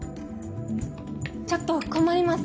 ・ちょっと困ります。